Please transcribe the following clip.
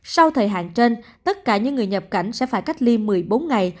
sau thời hạn trên tất cả những người nhập cảnh sẽ phải cách ly một mươi bốn ngày